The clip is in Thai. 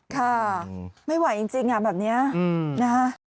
ค่ะไม่ไหวจริงอ่ะแบบนี้นะ